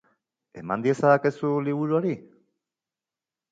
Eman diezadakezu liburu hori?